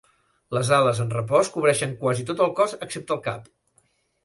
Les ales en repòs cobreixen quasi tot el cos excepte el cap.